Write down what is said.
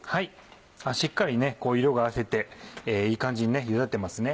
しっかり色が褪せていい感じにゆだってますね。